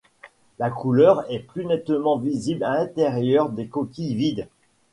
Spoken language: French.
La couleur est plus nettement visible à l'intérieur des coquilles vides.